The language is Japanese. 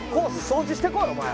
掃除してこいお前！